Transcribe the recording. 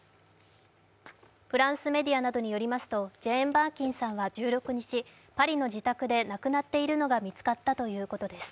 フランスメディアなどによりますとジェーン・バーキンさんは１６日、パリの自宅で亡くなっているのが見つかったということです。